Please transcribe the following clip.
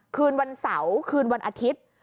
คืนวันเสาร์คืนวันอาทิตย์